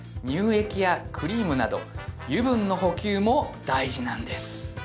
乳液やクリームなど油分の補給も大事なんです